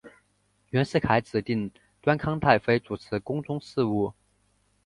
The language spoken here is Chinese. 袁世凯指定端康太妃主持宫中事务。